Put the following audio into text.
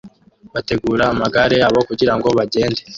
bategura amagare yabo kugirango bagende